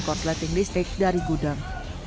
korsleting listrik dari gudang